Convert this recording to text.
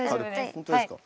本当ですか？